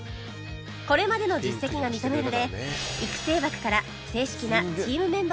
これまでの実績が認められ育成枠から正式なチームメンバーに昇格